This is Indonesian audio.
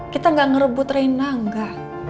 kita gak ngerebut reina enggak